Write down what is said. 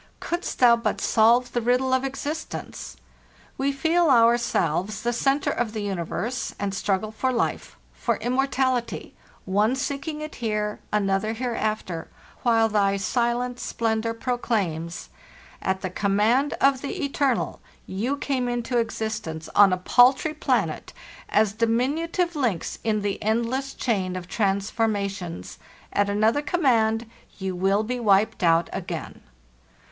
Couldst thou but solve the riddle of existence! We feel ourselves the centre of the universe, and struggle for life, for immor tality—one seeking it here, another hereafter—while thy silent splendor proclaims: At the command of the Eter nal, you came into existence on a paltry planet, as dimin utive links in the endless chain of transformations; at another command, you will be wiped out again.